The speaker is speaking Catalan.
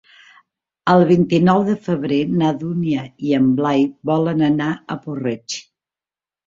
El vint-i-nou de febrer na Dúnia i en Blai volen anar a Puig-reig.